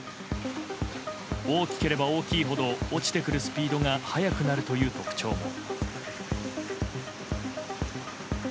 大きければ大きいほど落ちてくるスピードが速くなるという特徴も。